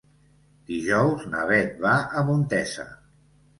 Dijous na Bet va a Montesa.